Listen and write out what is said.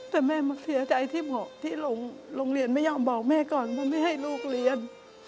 แต่แม่มาเสียใจที่เหมาะที่โรงเรียนไม่ยอมบอกแม่ก่อนว่าไม่ให้ลูกเรียน